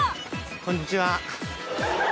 こんにちは。